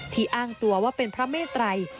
อ้างตัวว่าเป็นพระเมตรัย